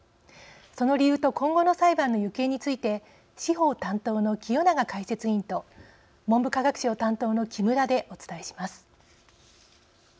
その理由と今後の裁判の行方について司法担当の清永解説委員と文部科学省担当の木村でお伝えします。